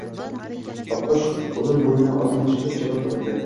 Oqqush uzun bo‘ynini oldinga cho‘zib javob qilibdi: